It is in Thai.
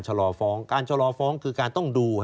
รอฟ้องการชะลอฟ้องคือการต้องดู